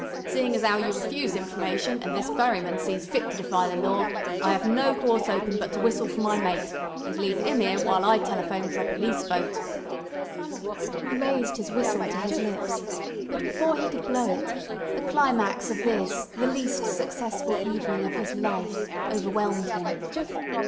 "Seein' as 'ow you refuse information, an' this ferryman thinks fit to defy the law, I 'ave no course open but to whistle for my mate, and leave 'im 'ere while I telephone for a police boat." He raised his whistle to his lips, but before he could blow it, the climax of this the least successful evening of his life, overwhelmed him.